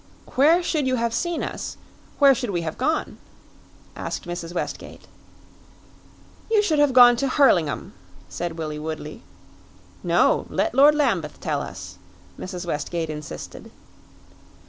"Where should you have seen us where should we have gone?" asked Mrs. Westgate. "You should have gone to Hurlingham," said Willie Woodley. "No; let Lord Lambeth tell us," Mrs. Westgate insisted.